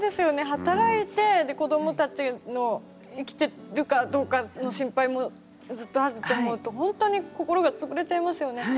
働いて子どもたちの生きてるかどうかの心配もずっとあると思うとほんとに心が潰れちゃいますよね。